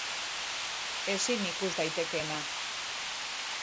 Ezin ikus daitekeena